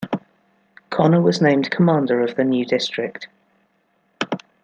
Connor was named commander of the new district.